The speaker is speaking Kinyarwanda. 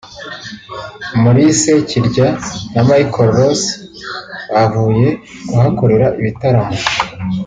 Maurice Kirya na Michael Ross bavuye kuhakorera ibitaramo